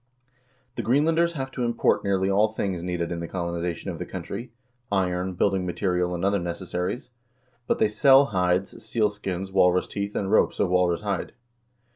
The Greenlanders have to import nearly all things needed in the colonization of the country : iron, building material, and other necessaries; but they sell hides, seal skins, walrus teeth, and ropes of walrus hide."